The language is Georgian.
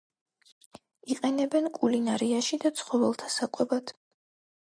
იყენებენ კულინარიაში და ცხოველთა საკვებად.